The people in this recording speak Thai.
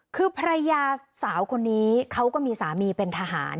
คือภรรยาสาวคนนี้เขาก็มีสามีเป็นทหาร